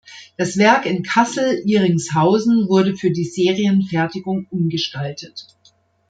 Das Werk in Kassel-Ihringshausen wurde für die Serienfertigung umgestaltet.